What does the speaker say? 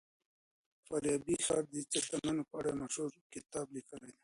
فارابي د ښار د څښتنانو په اړه يو مشهور کتاب ليکلی دی.